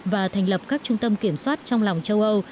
và thành lập các trung tâm kiểm soát trong lòng châu âu